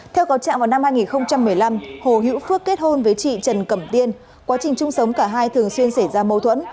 theo cáo trạng vào năm hai nghìn một mươi năm hồ hữu phước kết hôn với chị trần cẩm tiên quá trình chung sống cả hai thường xuyên xảy ra mâu thuẫn